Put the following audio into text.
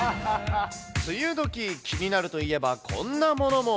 梅雨どき、気になるといえばこんなものも。